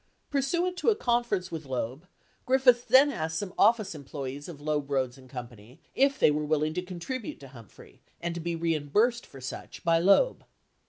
Pursuant to a con ference with Loeb, Griffiths then asked some office employees of Loeb, Rhoades, and Co. if they were willing to contribute to Humphrey and to be reimbursed for such by Loeb.